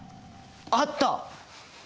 あった！